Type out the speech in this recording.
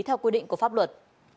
theo quy định của pháp luật